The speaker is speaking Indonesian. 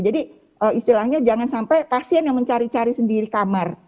jadi istilahnya jangan sampai pasien yang mencari cari sendiri kamar